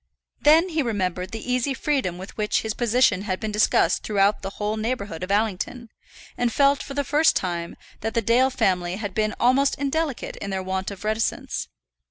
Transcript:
Then he remembered the easy freedom with which his position had been discussed throughout the whole neighbourhood of Allington, and felt for the first time that the Dale family had been almost indelicate in their want of reticence.